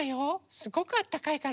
すごくあったかいから。